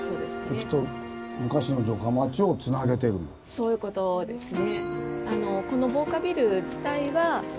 そういうことですね。